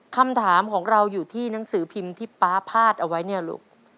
คำถามของเราอยู่ที่หนังสือพิมพ์ที่ป๊าพาดเอาไว้เนี่ยลูก